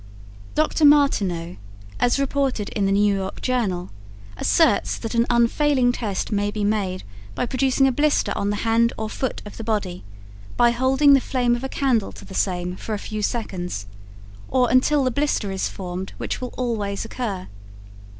Dr. Martinot, as reported in the New York Journal, asserts that an unfailing test may be made by producing a blister on the hand or foot of the body by holding the flame of a candle to the same for a few seconds, or until the blister is formed which will always occur.